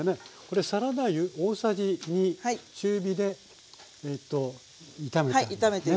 これサラダ油大さじ２中火で炒めた。